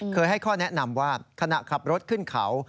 เคยให้ข้อแนะนำว่าขณะขับรถขึ้นเขา